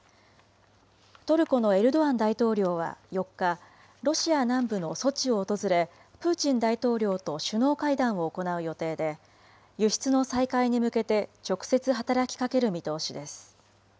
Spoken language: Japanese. トルコのエルドアン大統領は４日、ロシア南部のソチを訪れ、プーチン大統領と首脳会談を行う予定で、輸出の再開に向けて直接働きかける見通しです。